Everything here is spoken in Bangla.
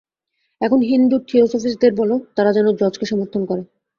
এখন হিন্দু থিওসফিষ্টদের বল, তারা যেন জজকে সমর্থন করে।